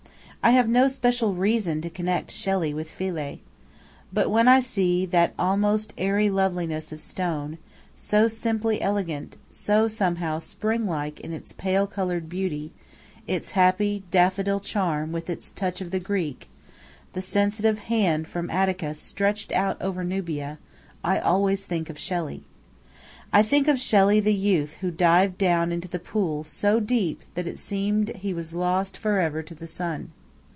I have no special reason to connect Shelley with Philae. But when I see that almost airy loveliness of stone, so simply elegant, so, somehow, spring like in its pale colored beauty, its happy, daffodil charm, with its touch of the Greek the sensitive hand from Attica stretched out over Nubia I always think of Shelley. I think of Shelley the youth who dived down into the pool so deep that it seemed he was lost for ever to the sun.